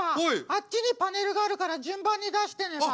あっちにパネルがあるから順番に出してねば。